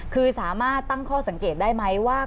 คือสามารถตั้งข้อสังเกตได้ไหมว่า